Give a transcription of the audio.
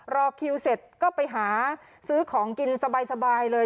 รอคิวเสร็จก็ไปหาซื้อของกินสบายเลย